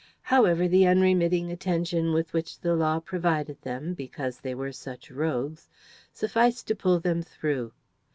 However, the unremitting attention with which the law provided them, because they were such rogues, sufficed to pull them through.